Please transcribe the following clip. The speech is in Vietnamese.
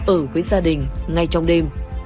ở với gia đình ngay trong đêm